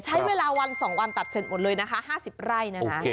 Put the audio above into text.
ใช้เวลาวัน๒วันตัดเสร็จหมดเลยนะคะ๕๐ไร่นะคะ